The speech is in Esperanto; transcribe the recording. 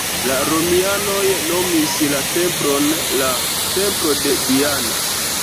La romianoj nomis la templon la Templo de Diana.